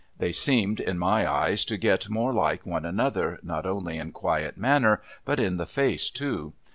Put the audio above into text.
They seemed, in my eyes, to get more like one another, not only in quiet manner, but in the face, too.